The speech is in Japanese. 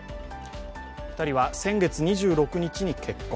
２人は先月２６日に結婚。